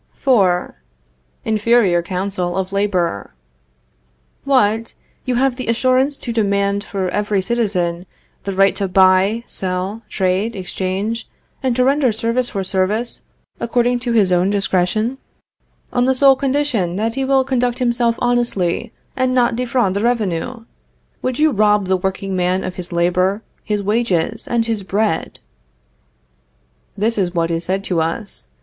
IV. INFERIOR COUNCIL OF LABOR. "What! You have the assurance to demand for every citizen the right to buy, sell, trade, exchange, and to render service for service according to his own discretion, on the sole condition that he will conduct himself honestly, and not defraud the revenue? Would you rob the workingman of his labor, his wages and his bread?" This is what is said to us.